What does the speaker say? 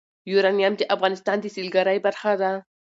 یورانیم د افغانستان د سیلګرۍ برخه ده.